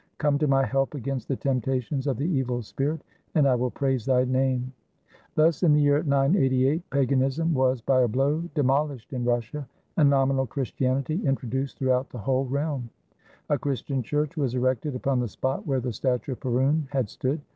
Come to my help against the temptations of the evil spirit, and I will praise thy name." Thus, in the year 988, paganism was, by a blow, de moUshed in Russia, and nominal Christianity introduced throughout the whole realm. A Christian church was erected upon the spot where the statue of Peroune had stood.